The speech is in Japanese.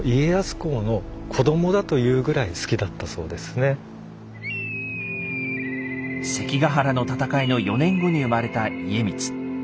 まあほんとにもう関ヶ原の戦いの４年後に生まれた家光。